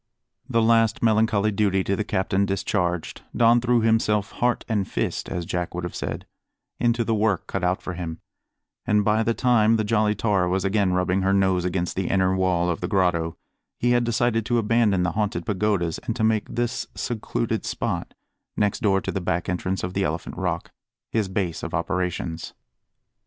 The last melancholy duty to the captain discharged, Don threw himself heart and fist as Jack would have said into the work cut out for him; and by the time the Jolly Tar was again rubbing her nose against the inner wall of the grotto, he had decided to abandon the Haunted Pagodas and to make this secluded spot next door to the back entrance of the Elephant Rock his base of operations.